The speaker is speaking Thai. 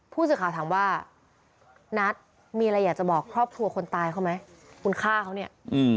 ผู้สื่อข่าวถามว่านัทมีอะไรอยากจะบอกครอบครัวคนตายเขาไหมคุณฆ่าเขาเนี่ย